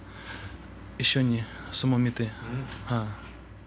一緒に相撲を見て。